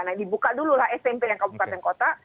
nah dibuka dulu lah smp yang kabupaten kota